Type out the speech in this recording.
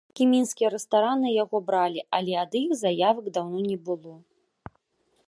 Неяк і мінскія рэстараны яго бралі, але ад іх заявак даўно не было.